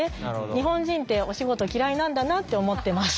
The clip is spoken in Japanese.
日本人ってお仕事嫌いなんだなって思ってます。